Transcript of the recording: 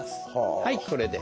はいこれで。